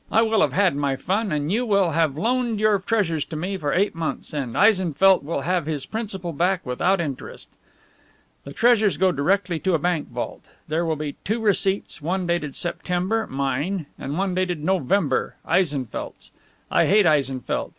I will have had my fun, and you will have loaned your treasures to me for eight months, and Eisenfeldt will have his principal back without interest. The treasures go directly to a bank vault. There will be two receipts, one dated September mine; and one dated November Eisenfeldt's. I hate Eisenfeldt.